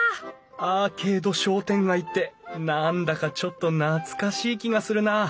アーケード商店街って何だかちょっと懐かしい気がするな。